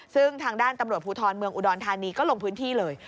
ซึ่งทางด้านตำรวจภูทรเมืองอุดรธานีก็ลงพื้นที่เลย